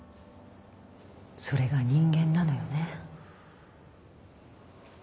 それが人間なのよね。